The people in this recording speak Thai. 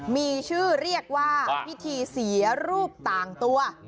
มีชื่อเรียกว่าพิธีเสียรูปต่างตัว